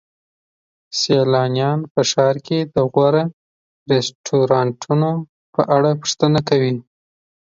سیلانیان په ښار کې د غوره رستورانتونو په اړه پوښتنه کوي.